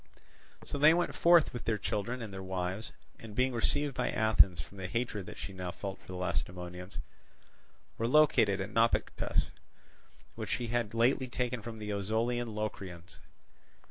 So they went forth with their children and their wives, and being received by Athens from the hatred that she now felt for the Lacedaemonians, were located at Naupactus, which she had lately taken from the Ozolian Locrians.